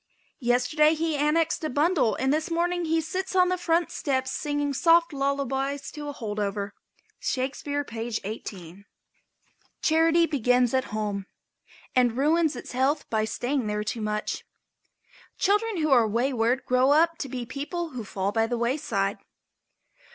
"Yesterday he annexed a bundle and this morning he sits on the front steps singing soft lullabies to a hold over." (Shakespeare, page 18.) [Illustration: "C Coogan thinking about home."] Charity begins at home and ruins its health by staying there too much. Children who are wayward grow up to be the people who fall by the wayside.